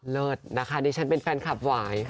เลิศนะคะดิฉันเป็นแฟนคลับหวาย